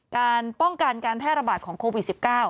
การป้องกันการแพร่ระบาดของโควิด๑๙